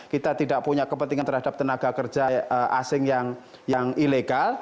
kita tidak punya kepentingan terhadap tenaga kerja asing yang ilegal